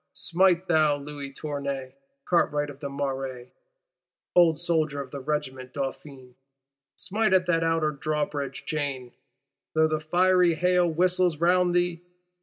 Smite, thou Louis Tournay, cartwright of the Marais, old soldier of the Regiment Dauphine; smite at that Outer Drawbridge chain, though the fiery hail whistles round thee!